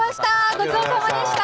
ごちそうさまでした！